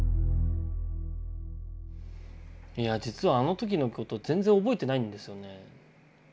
いや実はあの時のこと全然覚えてないんですよね。